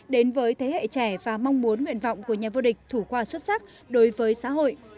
đến với thế hệ trẻ và mong muốn nguyện vọng của nhà vô địch thủ khoa xuất sắc đối với xã hội